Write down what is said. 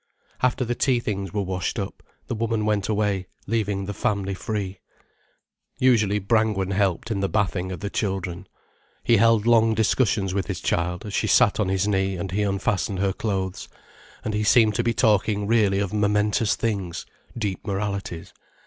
After the tea things were washed up, the woman went away, leaving the family free. Usually Brangwen helped in the bathing of the children. He held long discussions with his child as she sat on his knee and he unfastened her clothes. And he seemed to be talking really of momentous things, deep moralities.